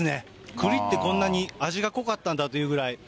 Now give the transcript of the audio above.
くりってこんなに味が濃かったんだっていうぐらい。